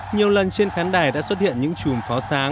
nhiều lần trên khán đài đã xuất hiện những chùm pháo sáng